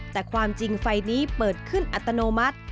แต่ความจริงไฟนี้เปิดขึ้นอัตโนมัติ